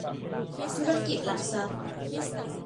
ธุรกิจหลักทรัพย์